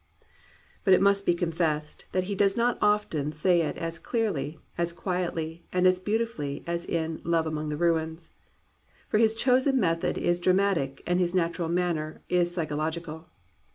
But it must be confessed that he does not often say it as clearly, as quietly, as beautifully as in Love Among the Ruins. For his chosen method is dra matic and his natural manner is psychological.